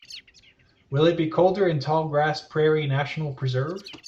Will it be colder in Tallgrass Prairie National Preserve?